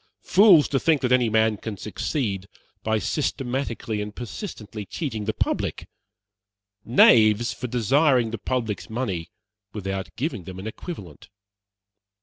Fools, to think that any man can succeed by systematically and persistently cheating the public. Knaves, for desiring the public's money without giving them an equivalent.